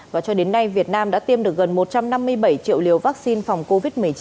và cho đến nay việt nam đã tiêm được gần một trăm năm mươi bảy triệu liều vaccine phòng covid một mươi chín